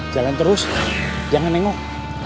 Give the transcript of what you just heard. jalan terus jangan nengok